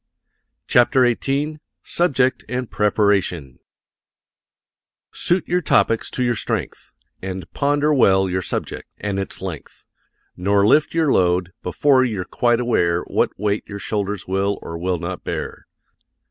] CHAPTER XVIII SUBJECT AND PREPARATION Suit your topics to your strength, And ponder well your subject, and its length; Nor lift your load, before you're quite aware What weight your shoulders will, or will not, bear.